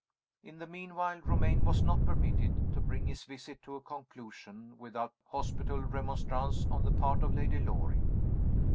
In the meanwhile, Romayne was not permitted to bring his visit to a conclusion without hospitable remonstrance on the part of Lady Loring.